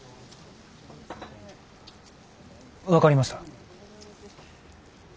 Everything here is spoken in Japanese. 分かりました。